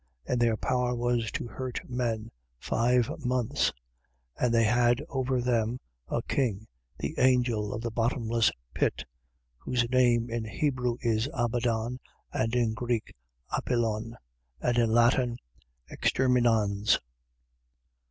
And their power was to hurt men, five months. And they had over them 9:11. A king, the angel of the bottomless pit (whose name in Hebrew is Abaddon and in Greek Apollyon, in Latin Exterminans).